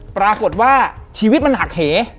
ปรากฏว่าชีวิตมันหักเห